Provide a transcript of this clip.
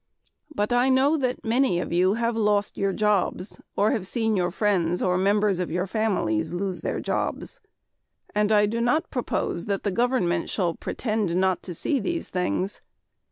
But I know that many of you have lost your jobs or have seen your friends or members of your families lose their jobs, and I do not propose that the government shall pretend not to see these things.